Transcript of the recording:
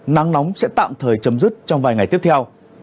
nắng nóng sẽ tạm thời chấm dứt trong vài ngày tiếp theo